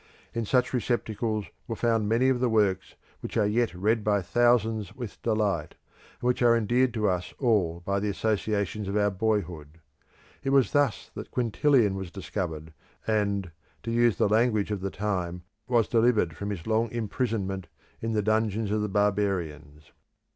In such receptacles were found many of those works which are yet read by thousands with delight, and which are endeared to us all by the associations of our boyhood. It was thus that Quintilian was discovered, and, to use the language of the time, was delivered from his long imprisonment in the dungeons of the barbarians.